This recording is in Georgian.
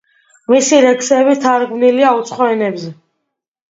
მისი ლექსები თარგმნილია უცხო ენებზე.